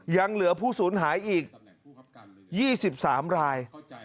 ยังเหลือผู้สูญหายอีก๒๓ราย